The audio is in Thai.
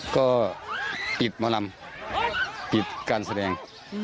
ก็ปิดหมอลำปิดการแสดง